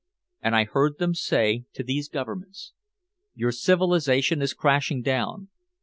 And I heard them say to these governments: "Your civilization is crashing down.